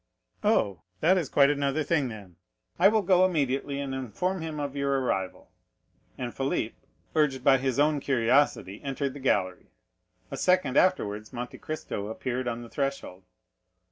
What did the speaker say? "Oh, that is quite another thing, then. I will go immediately and inform him of your arrival." And Philip, urged by his own curiosity, entered the gallery; a second afterwards, Monte Cristo appeared on the threshold.